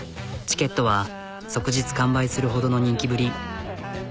チケットは即日完売するほどの人気ぶり。